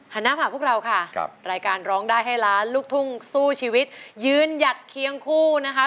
หน้าฝากพวกเราค่ะรายการร้องได้ให้ล้านลูกทุ่งสู้ชีวิตยืนหยัดเคียงคู่นะคะ